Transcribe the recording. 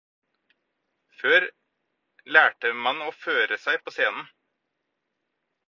Før lærte man å føre seg på scenen.